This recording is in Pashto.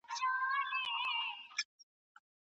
هره تابلو یې په زرینو سکو وپلورله